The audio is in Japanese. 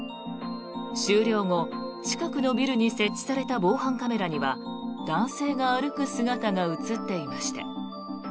終了後、近くのビルに設置された防犯カメラには男性が歩く姿が映っていました。